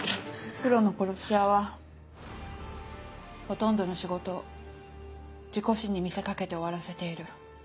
プロの殺し屋はほとんどの仕事を事故死に見せ掛けて終わらせている。